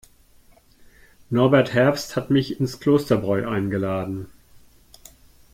Norbert Herbst hat mich ins Klosterbräu eingeladen.